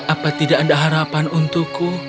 apa tidak ada harapan untukku